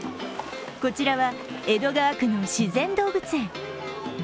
こちらは、江戸川区の自然動物園。